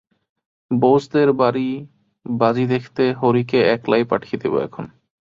বোসদের বাড়ি বাজি দেখতে হরিকে একলাই পাঠিয়ে দেব এখন।